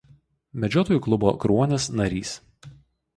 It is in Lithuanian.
Medžiotojų klubo „Kruonis“ narys.